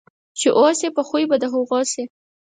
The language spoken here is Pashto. چې اوسې په خوی په د هغو سې.